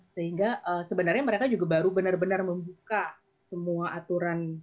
sehingga sebenarnya mereka juga baru benar benar membuka semua aturan